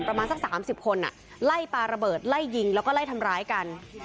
ประมาณสัก๓๐คนไล่ปลาระเบิดไล่ยิงแล้วก็ไล่ทำร้ายกัน